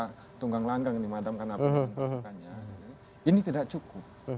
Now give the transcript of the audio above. apa tunggang langgang ini mademkan apa ini tidak cukup